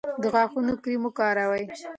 د غاښونو کریم وکاروئ.